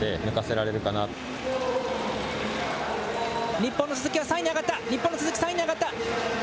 日本の鈴木が３位に上がった、日本の鈴木、３位に上がった。